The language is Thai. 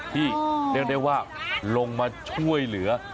เรียกได้ว่าลงมาช่วยเหลือ